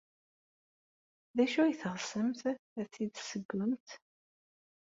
D acu ay teɣsemt ad t-id-tessewwemt?